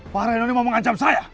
pak reino ini mau mengancam saya